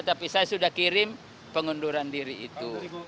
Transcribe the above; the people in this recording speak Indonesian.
tapi saya sudah kirim pengunduran diri itu